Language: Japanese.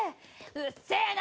うっせえな！